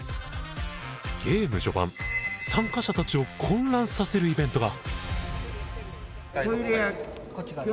ゲーム序盤参加者たちを混乱させるイベントが。